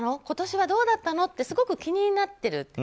今年はどうだったの？ってすごく気になっている。